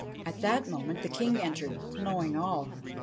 At that moment the King entered, knowing all.